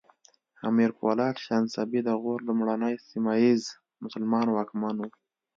امیر پولاد شنسبی د غور لومړنی سیمه ییز مسلمان واکمن و